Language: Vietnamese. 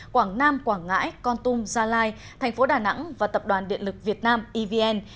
quảng nam quảng ngãi con tum gia lai tp đà nẵng và tập đoàn điện lực việt nam evn